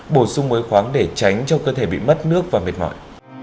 bổ sung mối khoáng để tránh cho cơ thể bị mất nước và mệt mỏi